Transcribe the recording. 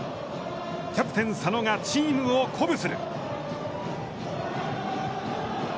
キャプテン・佐野がチームを鼓舞する。